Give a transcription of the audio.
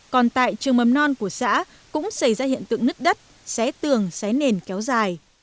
còn tại trường bầm non của xã cũng xảy ra hiện tượng nứt đất xé tường xé nền kia